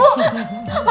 iya bu pasti bu